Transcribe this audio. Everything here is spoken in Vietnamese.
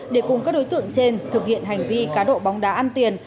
để cùng các đối tượng trên thực hiện hành vi cá độ bóng đá ăn tiền